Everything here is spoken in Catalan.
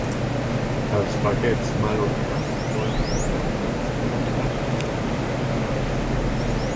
Els paquets mal ordenats poden ser reordenats o deixats i interpolats.